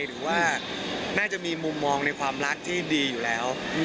หรือว่าน่าจะมีมุมมองในความรักที่ดีอยู่แล้ว